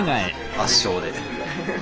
圧勝で。